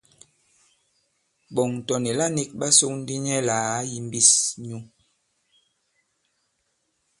Ɓɔ̀ŋ tɔ̀ nìla nīk ɓa sōk ndī nyɛ lā à kayīmbīs nyu.